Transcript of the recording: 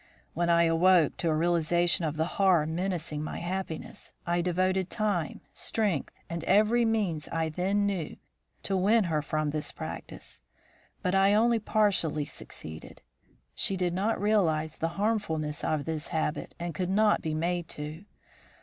When I awoke to a realisation of the horror menacing my happiness, I devoted time, strength, and every means I then knew, to win her from this practice. But I only partially succeeded. She did not realise the harmfulness of this habit and could not be made to.